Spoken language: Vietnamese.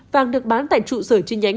vàng được bán tại trụ sở chi nhánh